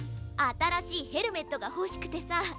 あたらしいヘルメットがほしくてさ。